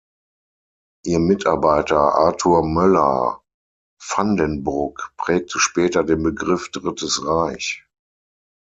Ihr Mitarbeiter Arthur Moeller van den Bruck prägte später den Begriff „Drittes Reich“.